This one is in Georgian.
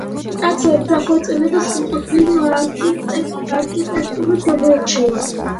ტაძრები დახვეწილი და სრულყოფილი არქიტექტურით გამოირჩევა.